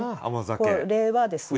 これはですね